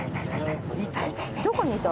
どこにいた？